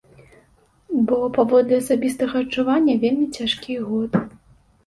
Бо, паводле асабістага адчування, вельмі цяжкі год.